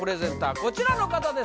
こちらの方です